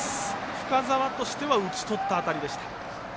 深沢としては打ち取った当たりでした。